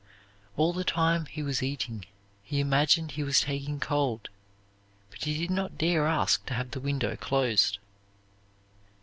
All the time he was eating he imagined he was taking cold, but he did not dare ask to have the window closed.